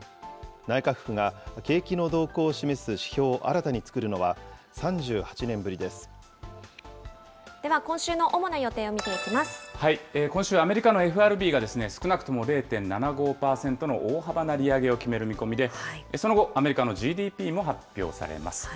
内閣府が景気の動向を示す指標をでは今週の主な予定を見てい今週はアメリカのＦＲＢが少なくとも０．７５％の大幅な利上げを決める見込みで、その後、アメリカのＧＤＰも発表されます。